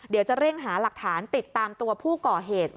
เดี๋ยวจะเร่งหาหลักฐานติดตามตัวผู้ก่อเหตุ